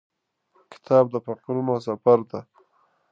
کتاب د فکرونو سفر دی.